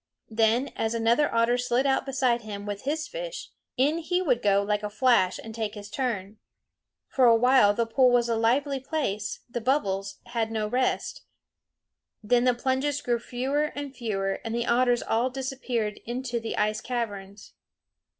Then, as another otter slid out beside him with his fish, in he would go like a flash and take his turn. For a while the pool was a lively place; the bubbles had no rest. Then the plunges grew fewer and fewer, and the otters all disappeared into the ice caverns.